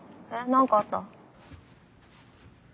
何かあった？